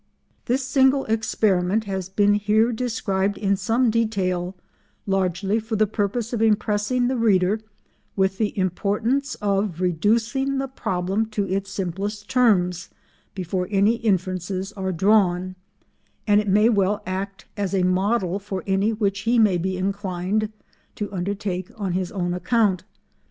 This single experiment has been here described in some detail largely for the purpose of impressing the reader with the importance of reducing the problem to its simplest terms before any inferences are drawn, and it may well act as a model for any which he may be inclined to undertake on his own account.